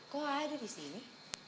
kok ada di sini